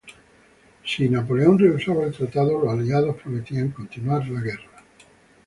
Si Napoleón rehusaba el tratado, los Aliados prometían continuar la guerra.